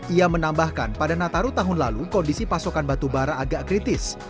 ia menambahkan pada nataru tahun lalu kondisi pasokan batubara agak kritis